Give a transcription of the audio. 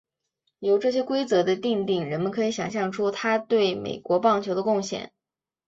由这些规则的订定人们可以想像出他对美国棒球的贡献。